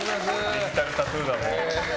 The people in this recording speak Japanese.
デジタルタトゥーだ。